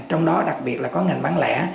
trong đó đặc biệt là có ngành bán lẻ